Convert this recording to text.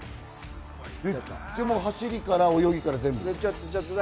走りから泳ぎから全部。